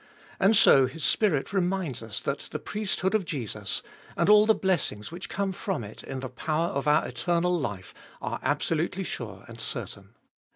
And so His Spirit reminds us that the priesthood of Jesus, and all the blessings which come from it in the power of our eternal life, are absolutely sure and certain.